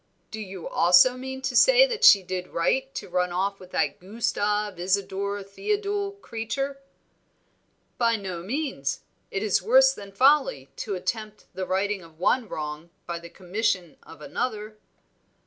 "Do you also mean to say that she did right to run off with that Gustave Isadore Theodule creature?" "By no means. It is worse than folly to attempt the righting of one wrong by the commission of another."